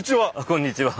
こんにちは。